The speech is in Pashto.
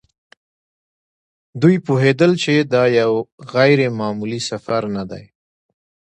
دوی پوهېدل چې دا یو غیر معمولي سفر نه دی.